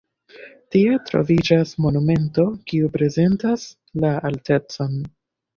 Tie troviĝas monumento kiu prezentas la altecon.